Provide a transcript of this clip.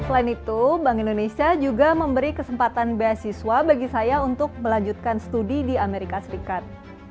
selain itu bank indonesia juga memberi kesempatan beasiswa bagi saya untuk melanjutkan studi di amerika serikat